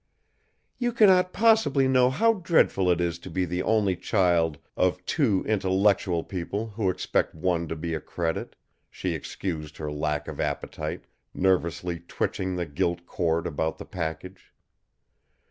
"You cannot possibly know how dreadful it is to be the only child of two intellectual people who expect one to be a credit," she excused her lack of appetite, nervously twitching the gilt cord about the package.